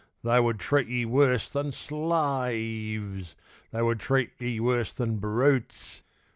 They would treat ye worse than sl a a ves! they would treat ye worse than brutes!